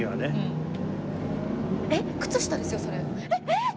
えっ？